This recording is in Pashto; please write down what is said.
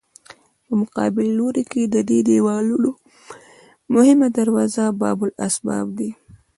په مقابل لوري کې د دې دیوالونو مهمه دروازه باب الاسباب ده.